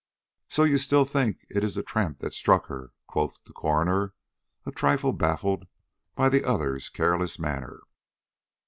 "So you still think it is the tramp that struck her?" quoth the coroner, a trifle baffled by the other's careless manner.